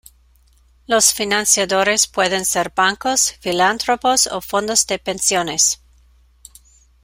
Los financiadores pueden ser bancos, filántropos o fondos de pensiones.